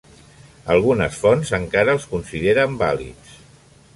Algunes fonts encara els consideren vàlids.